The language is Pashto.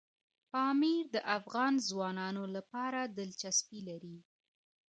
پامیر د افغان ځوانانو لپاره دلچسپي لري.